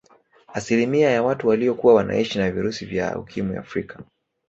Asilimia ya watu waliokuwa wanaishi na virusi vya Ukimwi Afrika